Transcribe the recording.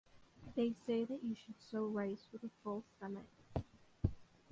They say that you should sow rice with a full stomach.